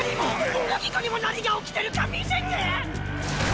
オギコにも何が起きてるか見せて！